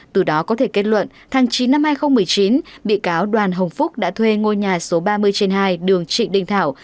từ đó có thể kết luận tháng chín năm hai nghìn một mươi chín bị cáo đoàn hồng phúc đã thuê ngôi nhà số ba mươi trên hai đường trịnh đình thảo